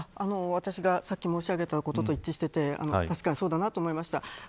私がさっき申し上げたことと一致していてそうだなと思いました。